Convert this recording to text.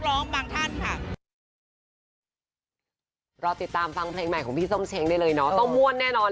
ออกเพลงแต่ว่าเป็นเพลงอาจจะมีลูกทุ้งแท้หนึ่ง